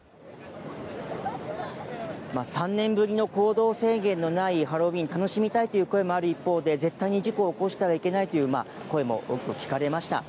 ３年ぶりの行動制限のないハロウィーン、楽しみたいという声もある一方で、絶対に事故を起こしてはいけないという声も多く聞かれました。